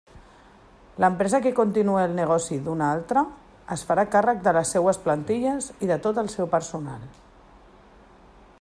L'empresa que continue el negoci d'una altra, es farà càrrec de les seues plantilles i de tot el seu personal.